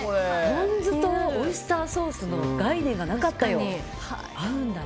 ポン酢とオイスターソースの概念がなかったよ。